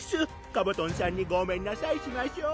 「カバトンさんにごめんなさいしましょう」